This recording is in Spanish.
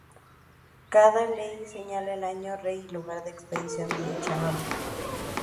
Cada ley señala el año, rey y lugar de expedición de dicha norma.